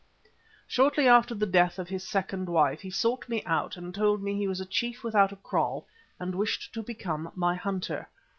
Shortly after the death of his second wife he sought me out and told me he was a chief without a kraal and wished to become my hunter.